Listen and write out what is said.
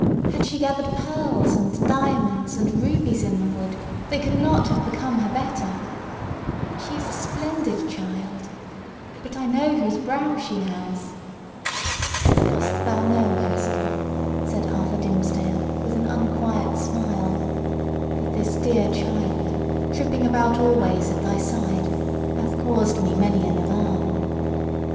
Had she gathered pearls, and diamonds, and rubies in the wood, they could not have become her better! She is a splendid child! But I know whose brow she has!" "Dost thou know, Hester," said Arthur Dimmesdale, with an unquiet smile, "that this dear child, tripping about always at thy side, hath caused me many an alarm?